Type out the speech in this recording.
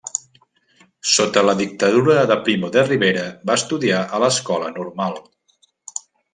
Sota la dictadura de Primo de Rivera va estudiar a l'Escola Normal.